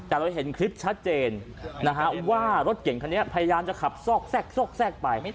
แต่เราเห็นคลิปชัดเจนนะฮะว่ารถเก่งคันนี้พยายามจะขับซอกแทรกซอกแทรกไป